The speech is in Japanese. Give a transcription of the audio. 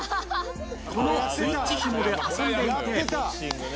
このスイッチ紐で遊んでいて